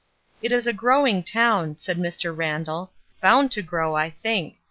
'*It is a growing town/' said Mr. Randall, *' bound to grow, I think.